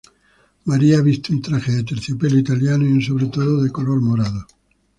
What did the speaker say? María viste un traje de terciopelo italiano y un sobretodo de color morado.